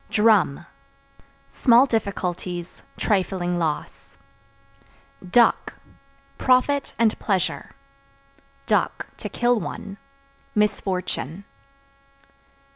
Drum Small difficulties, trifling loss. Duck Profit and pleasure; (to kill one) misfortune.